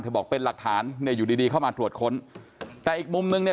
บอกเป็นหลักฐานเนี่ยอยู่ดีดีเข้ามาตรวจค้นแต่อีกมุมนึงเนี่ย